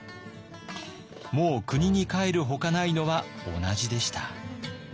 もう国に帰るほかないのは同じでした。